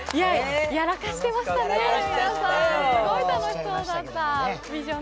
やらかしてましたね、皆さん、すごい楽しそうだった。